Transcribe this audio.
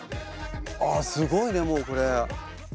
ああすごいねもうこれ。